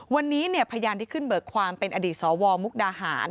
วันนี้พยานที่ขึ้นเบิกความเป็นอดีตสวมุกดาหาร